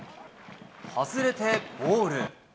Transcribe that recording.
外れてボール。